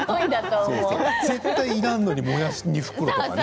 いらないのにもやし２袋とかね。